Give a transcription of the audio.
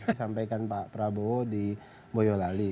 disampaikan pak prabowo di boyolali